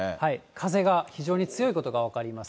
風が非常に強いことが分かります。